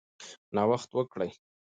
نوښت وکړئ.